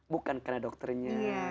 bukan karena dokternya